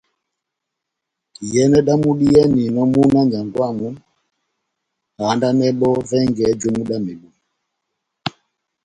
Iyɛnɛ dámu diyɛninɔmúna wa nyángwɛ wamu ahandanɛ bɔ́ vɛngɛ jomu dá mebu ,